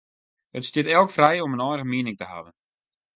It stiet elk frij om in eigen miening te hawwen.